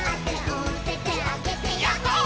「おててあげてヤッホー」